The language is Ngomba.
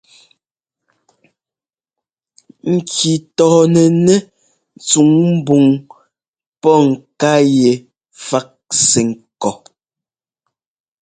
Ŋki tɔɔnɛnɛ́ tsuŋ ḿbɔŋ pɔ́ ŋká yɛ fák sɛ́ ŋkɔ́.